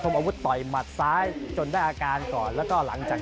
อาวุธต่อยหมัดซ้ายจนได้อาการก่อนแล้วก็หลังจาก